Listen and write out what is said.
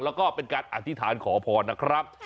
แล้วก็เป็นการอธิษฐานขอพรนะครับ